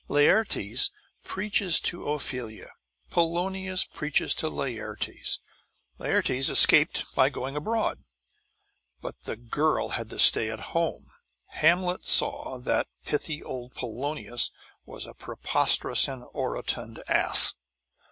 Laertes preaches to Ophelia; Polonius preaches to Laertes. Laertes escaped by going abroad, but the girl had to stay at home. Hamlet saw that pithy old Polonius was a preposterous and orotund ass.